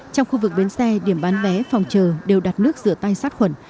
trong khu vực bến xe điểm bán vé phòng chờ đều đặt nước rửa tay sát khuẩn